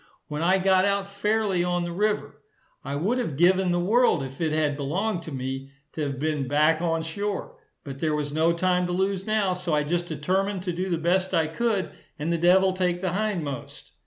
When I got out fairly on the river, I would have given the world, if it had belonged to me, to have been back on shore. But there was no time to lose now, so I just determined to do the best I could, and the devil take the hindmost.